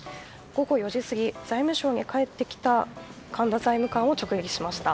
午後４時過ぎ財務省に帰ってきた神田財務官を直撃しました。